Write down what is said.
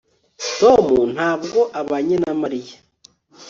tom ntabwo abanye na mariya